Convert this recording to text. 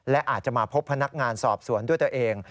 และอาจจะมาพบพนักงานสอบสวนด้วยตัวเอง